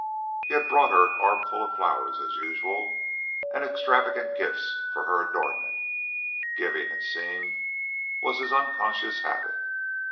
He had brought her an armful of flowers, as usual, and extravagant gifts for her adornment giving, it seemed, was his unconscious habit.